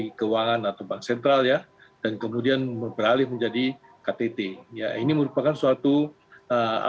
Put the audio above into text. jadi oleh karena itu kalau kita melihat sejarahnya kita bisa mengerti bahwa ini adalah pertemuan yang sangat tinggi